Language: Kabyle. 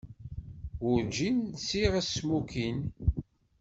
Werǧin lsiɣ asmukin.